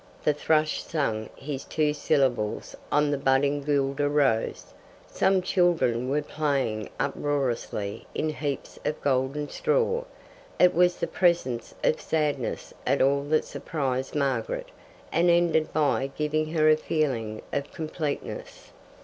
The thrush sang his two syllables on the budding guelder rose. Some children were playing uproariously in heaps of golden straw. It was the presence of sadness at all that surprised Margaret, and ended by giving her a feeling of completeness.